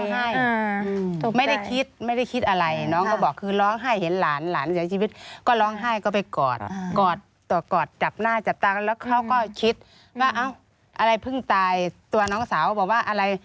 ไม่ได้คิดไม่ได้คิดอะไรน้องก็บอกคือร้องไห้เห็นหลานหลานเสียชีวิตก็ร้องไห้ก็ไปกอดกอดต่อกอดจับหน้าจับตากันแล้วเขาก็คิดว่าเอ้าอะไรเพิ่งตายตัวน้องสาวบอกว่าอะไร